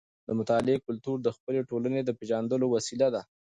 د مطالعې کلتور د خپلې ټولنې د پیژندلو وسیله ده.